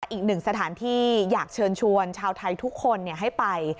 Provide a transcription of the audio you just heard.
อีกหนึ่งสถานที่อยากเชิญชวนชาวไทยทุกคนให้ไป